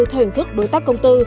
theo hình thức đối tác công tư